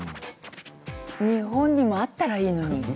日本にもあったらいいのに。